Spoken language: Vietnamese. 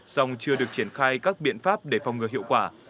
song chưa được triển khai các biện pháp để phòng ngừa hiệu quả